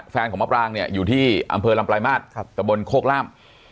ของมะปรางเนี่ยอยู่ที่อำเภอลำปลายมาตรตะบนโคกล่าม